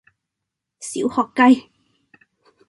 小學雞